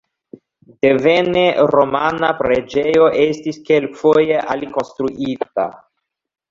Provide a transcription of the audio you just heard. Devene romana preĝejo estis kelkfoje alikonstruita.